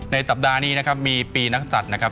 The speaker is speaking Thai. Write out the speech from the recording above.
สัปดาห์นี้นะครับมีปีนักศัตริย์นะครับ